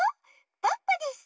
ポッポです。